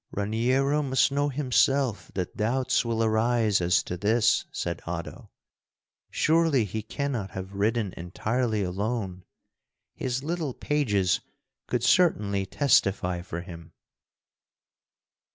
"Raniero must know himself that doubts will arise as to this," said Oddo. "Surely, he can not have ridden entirely alone. His little pages could certainly testify for him."